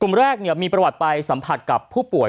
กลุ่มแรกเนี่ยมีประวัติไปสัมผัสกับผู้ป่วย